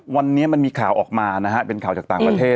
วันนี้มันมีข่าวออกมานะฮะเป็นข่าวจากต่างประเทศ